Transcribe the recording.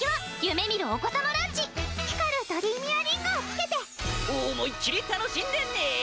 光るドリーミアリングをつけて思いっきり楽しんでね！